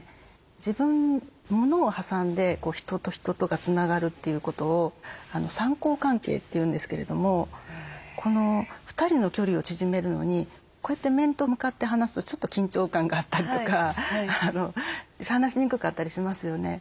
自分物を挟んで人と人とがつながるということを三項関係というんですけれども２人の距離を縮めるのにこうやって面と向かって話すとちょっと緊張感があったりとか話しにくかったりしますよね。